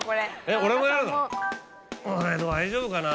俺大丈夫かな。